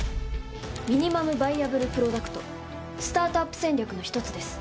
ミニマムバイアブルプロダクトスタートアップ戦略の一つです